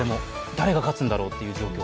誰が勝つんだろうという状況。